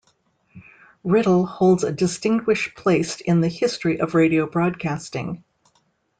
Writtle holds a distinguished place in the history of radio broadcasting.